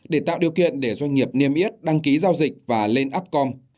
để tạo điều kiện để doanh nghiệp niêm yết đăng ký giao dịch và lên upcom